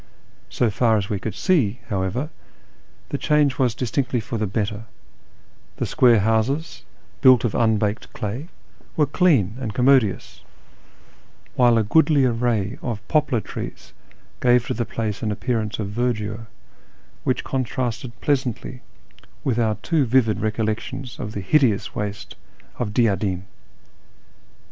So far as we could see, however, the change was distinctly for the better ; the square houses, built of unbaked clay, were clean and commodious, while a goodly array of poplar trees gave to the place an appearance of verdure which contrasted pleasantly with our too vivid recollections of the hideous waste of Diyadin.